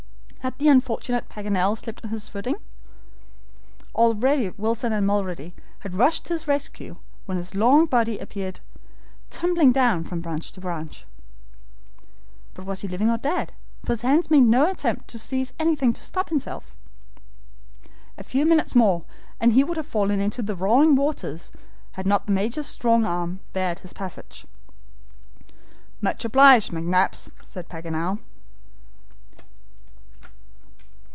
Had the unfortunate Paganel slipped his footing? Already Wilson and Mulrady had rushed to his rescue when his long body appeared tumbling down from branch to branch. But was he living or dead, for his hands made no attempt to seize anything to stop himself. A few minutes more, and he would have fallen into the roaring waters had not the Major's strong arm barred his passage. "Much obliged, McNabbs," said Paganel.